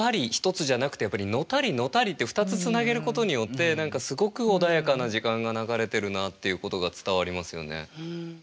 １つじゃなくてやっぱり「のたりのたり」って２つつなげることによって何かすごく穏やかな時間が流れてるなっていうことが伝わりますよね。